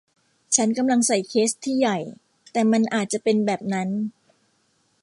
ฉันกำลังใส่เคสที่ใหญ่ แต่มันอาจจะเป็นแบบนั้น